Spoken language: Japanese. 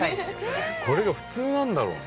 これが普通なんだろうね。